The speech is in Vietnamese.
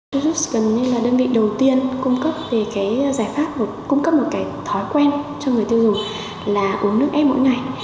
virus gần như là đơn vị đầu tiên cung cấp về cái giải pháp cung cấp một cái thói quen cho người tiêu dùng là uống nước ép mỗi ngày